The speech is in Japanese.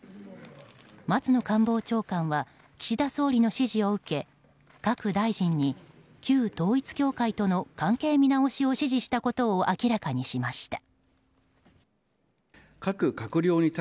松野官房長官は岸田総理の指示を受け各大臣に旧統一教会との関係見直しを指示したことを明らかにしました。